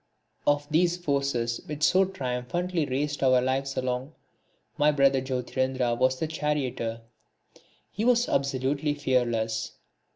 Of these forces which so triumphantly raced our lives along, my brother Jyotirindra was the charioteer. He was absolutely fearless.